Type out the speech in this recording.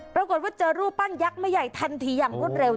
ปรากฏว่าเจอรูปปั้นยักษ์ไม่ใหญ่ทันทีอย่างรวดเร็ว